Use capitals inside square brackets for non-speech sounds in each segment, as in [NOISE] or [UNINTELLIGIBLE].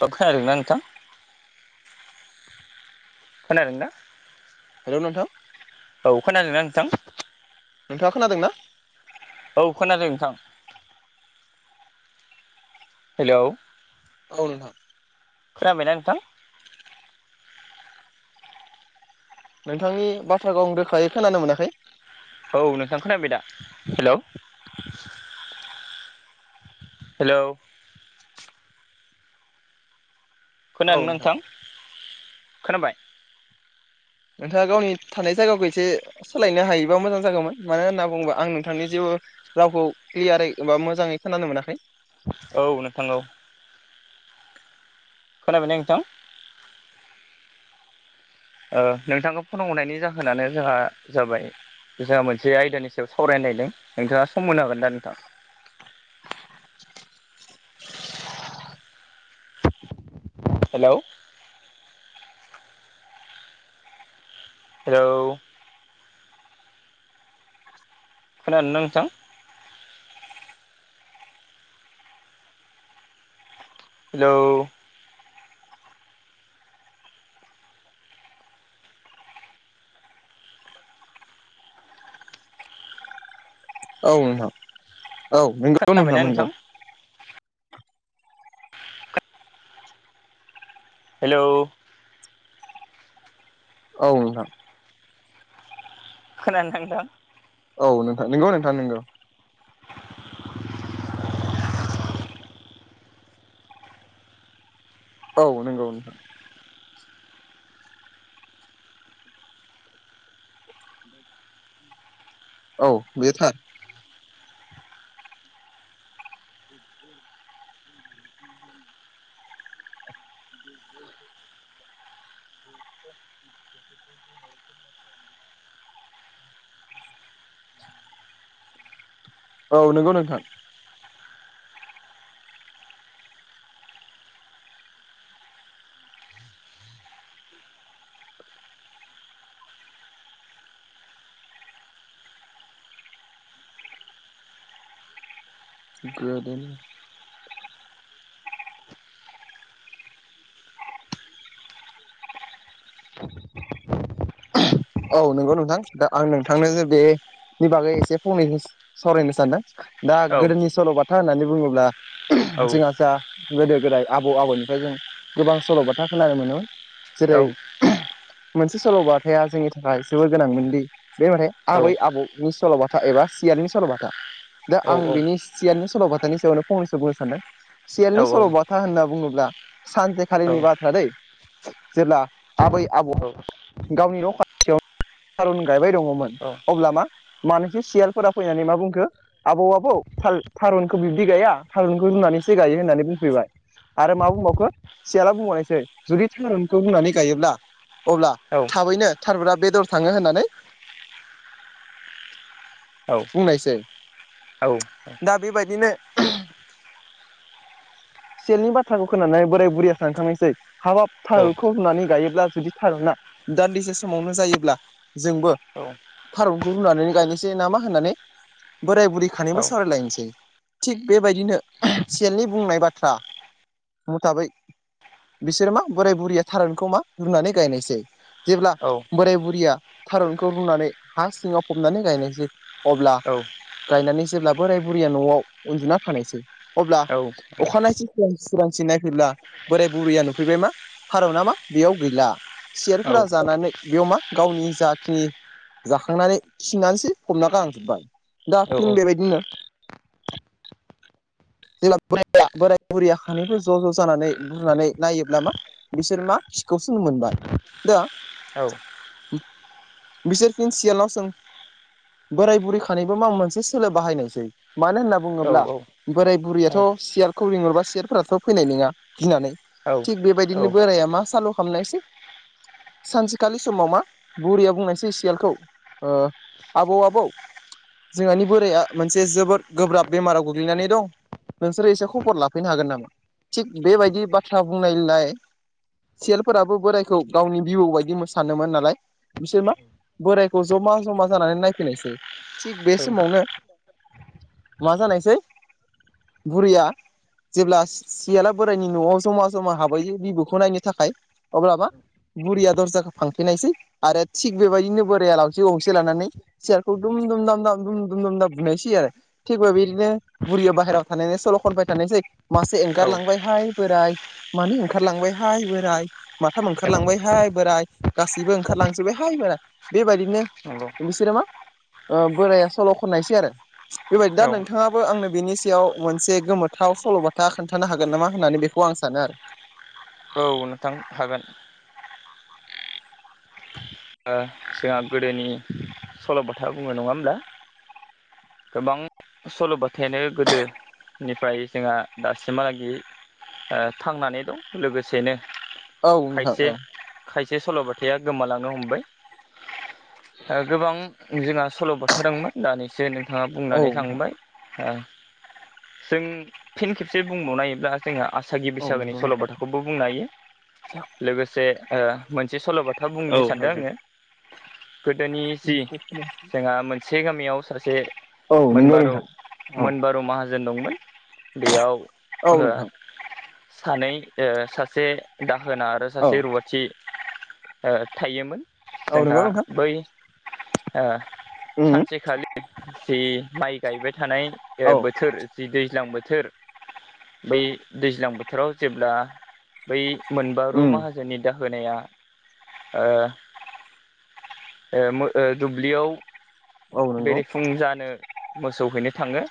दाबखोन ना नोंथां? खोनादोंना। हेल' नोंथां। औ खोनादों ना नोंथां? नोंथाङा खोनादों ना? औ खोनादों नोंथां। हेल'। औ नोंथां। खोनाबायना नोंथां? नोंथांनि बाथ्राखौ आं रोखायै खोनानो मोनाखै? औ नोंथां खोनाबाय दा हेल'। हेलौ। खोनादों नोंथां खोनाबाय? नोंथाङा गावनि थानाय जायगाखौ एसे सोलायनो हायोबा मोजां जागौमोन मानो होनना बुङोबा आं नोंथांनि जेबो रावखौ क्लियारै एबा मोजाङै खोनानो मोनाखै। औ नोंथां औ। खोनाय नोंथां? ओ नोंथाङा फन हनायनि जाहोनानो जोंहा जाबाय जोंहा मोनसे आयदानि सायाव सावराय नायदों नोंथाङा सम मोनो हागोन दा नोंथां? हेल'। हेल'। खोनादों ना नोंथां। हेलौ औ नोंथां औ नंगौ नोंथां नंगौ हेल' औ नोंथां। खोनानो थांदों औ नोंथ नोंगौ नोंथां नोंगौ [INAUDIBLE] औ नंगौ नोंथ औ बेयो थार [INAUDIBLE] [INAUDIBLE] औ नंगौ नोंथां। [INAUDIBLE] औ नंगौ नोंथां दा आं नोंथांनो बेनि बागै एसे फंनैसो सावरायनो सानदों दा औ गोदोनि सल'बाथा होननानै बुङोब्ला औ जोंहा जा गोदो गोदाय आबौ आबौनिफ्राय जों गोबां सल'बाथा खोनानो मोनोमोन औ जेरै मोनसे सल'बाथाया जोंनि थाखाय जोबोर गोनांमोनदि बे माने औ आबै आबौनि सल'बाथा एबा सियलनि सल'बाथा दा औ आं बिनि सियालनि सल'बाथानि सायावनो फंनैसो बुंनो सानदों औ सियालनि सल'बाथा होनना बुङोब्ला सानसेे खालिनि बाथ्रा दै जेब्ला आबै आबौ औ गावनि र'खा थारुन गायबाय दङमोन अब्ला मा मानैसो सियालफोरा फैनानै मा बुंखो आबौ आबौ थारुनखौ बिब्दि गाया थारुनखौ रुनानैसो गायो होननानै बुंफैबाय आरो मा बुंबावखो सियाला बुंबावनोसै जुदि थारुनखौ होननानै गायोब्ला अब्ला औ थाबैनो थारबा बेदर थाङो होननानै औ बुंनायसै औ दा बेबायदिनो सेलनि बाथ्राखौ खोनानानै बोराय बुरैया सानखांनायसै हाब थालखौ होननानै गायोब्ला जुदि थारोना, दान्दिसे समावनो जायोब्ला जोंबो थारुनखौ रुनानै गायनोसै ना मा होननानै बोराय बुरैखानिबो सावरायलायनोसै थिग बेबायदिनो सेलनि बुंनाय बाथ्रा आ मुथाबै बिसोर मा बोराय बुरिया थारुनखौ मा रुनानै गायनायसै जेब्ला बोराय बुरिया थारुनखौ रुनानै हा सिङाव फबनानै गायनायसै अब्ला गायनानै जेब्ला बोराय बुरिया न'आव उन्दुना फानसै अब्ला अखानायनायसेां सोरां सि नायफैब्ला बोराय बुरैया नुफैबाय मा थार' न मा बेयाव गैला सियारफोरा जानानै बेयाव मा गावनि जाखिनि जाखांनानै थिननानैसो हमना गारांजोबबाय दा फिन बेबायदिनो जेब्ला बोर बोराय बुरै आखानिबो ज' ज' जानानै बुरनानै नायोब्ला मा बिसोर मा खिखौसो मोनबाय दा बिसोर फिन सियाल सों बोराय बुरिखानायबो माबा मोनसे सोलो बाहायनायसै मानो होनना बुङोब्ला बोराय बुरैयाथ' सियारखौ लिंहरबा सियारफोराथ' फैनाय नङा गिनानै थिग बेबायदिनो बोराया मा सालु खालामनायसै सानसेखालि समाव मा बुरिया बुंनायसै सियालखौ ओ आबौ आबौ जोंहानि बोराया मोनसे जोबोद गोब्राब बेमाराव गोग्लैनानै दं नोंसोरो एसे खबर लाफैनो हागोन नामा थिग बेबायदि बाथ्रा बुंनायलाय सिमालफोराबो बोरायखौ गावनि भिउ बायदि सानोमोन नालाय बिसोर मा बोरायखौ जमा जमा जानानै नायफैनायसै थिग बे समावनो मा जानायसै, बुरैया जेब्ला सियाला बोराइनि न'आव जमा जमा हाबयो बिबौखौ नायनो थाखाय, अब्लाबो मा बुरिया दरजाखौ फांफेरनायसै आरो थिग बेबायदिनो बोराया लावथि गंसे लानानै सियार खौ दुम दुम दाम दाम दुम दुम दाम दाम बुनाय सै आरो। थिगबा बिदिनो बुरियाव बाहेरायाव थानायनि सल' खनबाय थानायसै मासे एंगारलांबायहाय बोराय मानै ओंखारलांबायहाय बोराय, माथाम ओंखारलांबायहाय बोराय, गासैबो ओंखारलांजोबबायहाय बोराय, बेबायदिनो नंगौ बिसोरो मा बोराया सल' खननायसै आरो। बेबायदि दा औ नोंथाङाबो आंनो बिनि सायाव मोनसे गोमोथाव सल'बाथा खोन्थानो हागोन नामा होननानै बेखौ आं सानो आरो। नोंथां हागोन। ओ जोंहा गोदोनि सल'बाथा बुंङो, नङा होमब्ला। गोबां सल'बाथायानो गोदो निफ्राय जोंहा दासिमहालागि ओ थांनानै दं। लोगोसेनो आरो औ नोंथां औ खायसे खायसे सल'बाथाया गोमालांनो हमबाय। गोबां जोंहा सल'बाथा दंमोन। दानैसो नोंथाङा औ बुंनानै नोंथां थांबाय। ओ जों फिन खेबसे बुंबावनायोब्ला जोंहा आसागि औ बैसागोनि नंगौ नोंथां सल'बाथाखौबो बुंनो हायो। लोगोसे ओ मोनसे सल'बाथा बुंनो सानदों आङो। गोदोनि जि जोंहा मोनसे गामियाव सासे औ नंगौ मोनबारु नोंथां औ मोनबारु माहाजोन दंमोन बेयाव औ नोंथां सानै ओ सासे दाहोना आरो औ सासे रुवाथि ओ थायोमोन औ जोंहा नंगौ नोंथां बै ओ उम सानसेखालि जि माइ गायबाय थानाय ओ औ बोथोर। जि दैज्लां बोथोर, बै दैज्लां बोथोराव जेब्ला बै मोनबारु उम माहाजोननि दाहोनाया ओ ओ मो दुब्लियाव औ नंगौ बेरेफुंजानो मोसौ हैनो थाङो,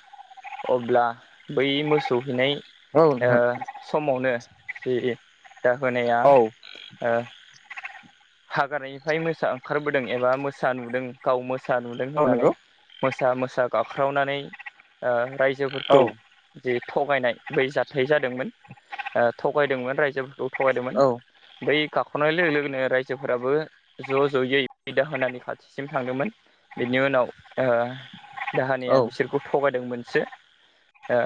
अब्ला बै मोसौ हैनाय औ नोंथां समावनो बे दाहोनाया औ ओ हाग्रानिफ्राय मोसा ओंखारबोदों एबा मोसा नुदों गाव मोसा नुदों औ होननानै नंगौ मोसा मोसा गाख्रावनानै ओ राय औ राजोफोरखौ जे थगायनाय, बै जाथाय जादोंमोन ओ थगायदोंमोन रायजोफोरखौ थगायदोंमोन, औ बै गाख'नाय लोगो लोगोनो रायजोफोराबो ज' ज'यै बिदा होनानै खाथिसिम थांदोंमोन। बिनि उनाव, ओ औ दाहानिया बिसोरखौ थगायदोंमोनसो ओ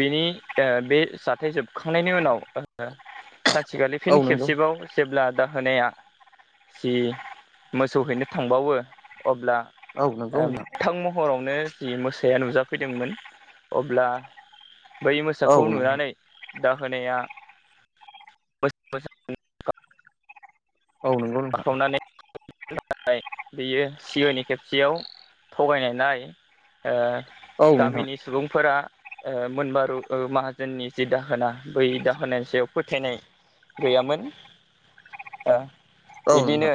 बिनि बे जाथाय जोबखांनायनि उनाव सानसेखालि औ फिन नंगौ खेबसेबाव जेब्ला दाहोनाया जि मोसौहैनो थांबावो, अब्ला औ नंगौ ओ नोंथां। मोगथां महरावनो जि मोसाया नुजाफैदोंमोन अब्ला बै मोसाखौ नंगौ नुनानै नोंथां दाहोनाया मोसा मोसा औ नोंथां औ नंगौ नोंथां बाखावनानै [UNINTELLIGIBLE] बियो सिगांनि खेबसेयाव थगायनाय नाय ओ औ नोंथां औ गामिनि सुबुंफोरा ओ मोनबारु माहाजोननि जि दाहोना बै दाहोनायनि सायाव फोथायनाय गैयामोन। ओ नोंथां बिदिनो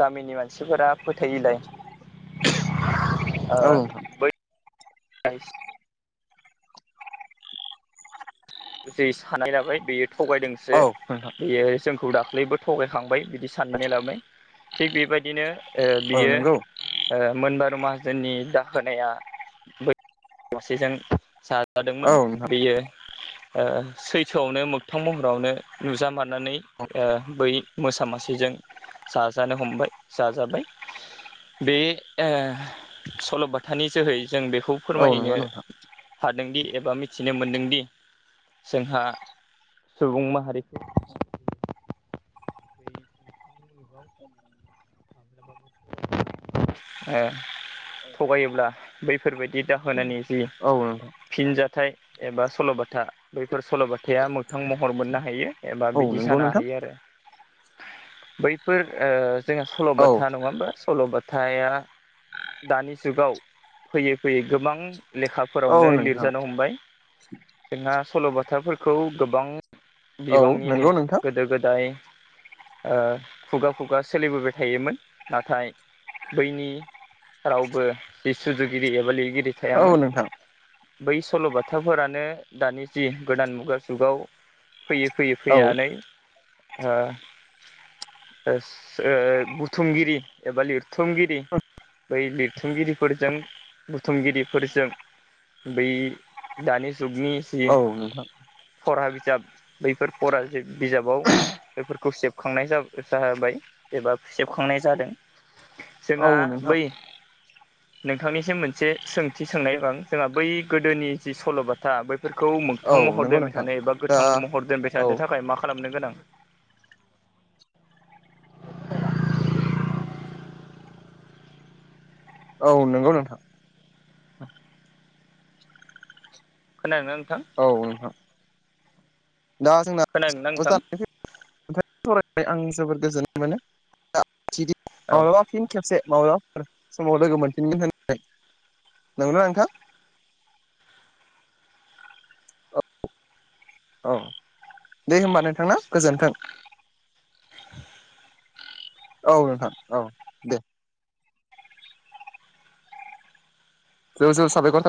गामिनि मानसिफोरा फोथायैलाय ओ औ बै [INAUDIBLE] जि सानाय लाबाय बेयो थगायदोंसो औ नोंथां बेयो जोंखौ दाख्लैबो थगायखांबाय बिदि साननानै लाबाय थिग बेबायदिनो ओ औ बियो नंगौ ओ मोनबारु माहाजोननि दाहोनाया। दसेजों औ साजादोंमोन नोंथां बेयो ओ सैथोआवनो मोगथां महरावनो नुजा मानानै ओ बै मोसा मासेजों जाजानो हमबाय जाजाबाय। बे ओ सल'बाथानि जोहै जों बेखौ औ फोरमायनो नंगौ नोंथां हादोंदि एबा मिथिनो मोनदोंदि जोंहा सुबुं माहारि थगायोब्ला बैफोरबायदि दाहोननि जि औ नोंथां फिनजथायाइ एबा सल'बाथा बैफोर सल'बाथाया मोगथां महर मोननो हायो एबा औ बिदि नंगौ जानो नोंथां हायो आरो बैफोर ओ जोंहा औ सल'बाथा नङा होमा सल'बाथाया दानि जुगाव फैयै फैयै गोबां औ लेखाफोरावनो नोंथां लिरजानो हमबाय। जोंहा सल'बाथाफोरखौ गोबां औ बिबांनिनो नंगौ नोंथां गोदो गोदाय खुगा खुगा सोलिबोबाय थायोमोन नाथाय बैनि रावबो जि सुजुगिरि एबा लिरगिरि औ थायामोन। नोंथां बै सल'बाथाफोरानो दानि जि गोदान मुगा जुगाव फैयै फैयै औ फैनानै ओ ओ बुथुमगिरि एबा लिर थुमगिरि बै लिरथुमगिरिफोरजों बुथुमगिरिफोरजों बै दानि जुगनि जि औ नोंथां। फरा बिजाब बैफोर फरा बिजाबाव बेफोरखौ सेबखांनाय जाबाय एबा सेबखांनाय जादों। औ जोंहा नोंथां बै नोंथांनिसिम मोनसे सोंथि सोंनाय बां जोंहा बै गोदोनि जि सल'बाथा बै बेफोरखौ औ मोगथां महर नंगौ दोनबाय नोंथां थानो एबा दा गोथां महर दोनबाय औ थानो थाखाय मा खालामनो गोनां? औ नंगौ नोंथां। खोनादोंना नोंथां? औ नोंथां। दा जोंना खोनादोंना नोंथां? सावरायनानै आं जोबोर गोजोननाय औ मोनो फिन खेबसे माब्लाबाफोर समाव लोगो मोनफिनगोन होननानै। नोंगौना नोंथां। औ औ दे होमबा नोंथां ना गोजोन्थों। औ नोंथां औ दे। ज ज सबायखर थाबाय।